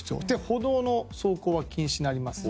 歩道の走行は禁止になります。